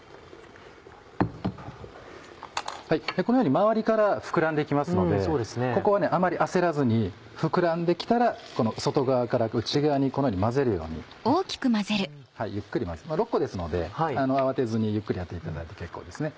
このように周りから膨らんで行きますのでここはあまり焦らずに膨らんで来たら外側から内側にこのように混ぜるようにゆっくり混ぜて６個ですので慌てずにゆっくりやっていただいて結構ですね。